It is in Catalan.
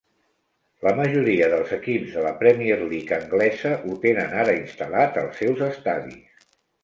La majoria dels equips de la Premier League anglesa ho tenen ara instal·lat als seus estadis.